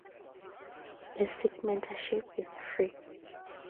Basic membership is free.